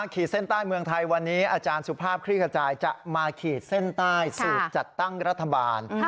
ขีดเส้นใต้เมืองไทยวันนี้อาจารย์สุภาพคลี่ขจายจะมาขีดเส้นใต้สูตรจัดตั้งรัฐบาล